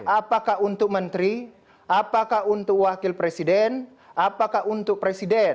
apakah untuk menteri apakah untuk wakil presiden apakah untuk presiden